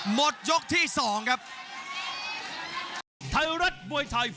หมดยกที่๒ครับ